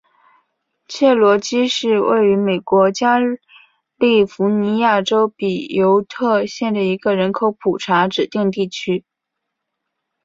切罗基是位于美国加利福尼亚州比尤特县的一个人口普查指定地区。